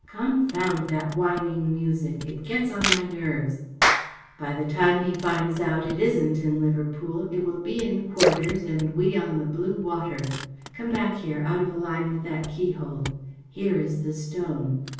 Confound that whining music ; it gets on my nerves ! By the time he finds it isn’t in Liverpool it the Mazarin Stone will be in quarters and we on the blue water. Come back here, out of a line with that keyhole. Here is the stone.